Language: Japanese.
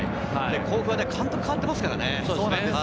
甲府は監督が変わっていますからね。